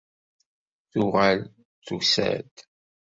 Tuɣal tusa-d.